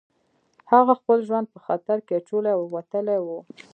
هغه خپل ژوند په خطر کې اچولی او وتلی و